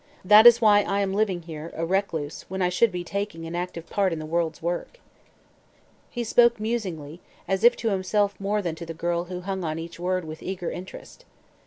That is why. I am living here, a recluse, when I should be taking an active part in the world's work." He spoke musingly, as if to himself more than to the girl who hung on each word with eager interest.